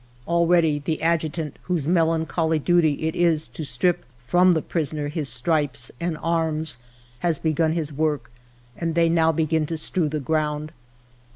Already the ad jutant whose melancholy duty it is to strip from the prisoner his stripes and arms has begun his work, and they now begin to strew the ground.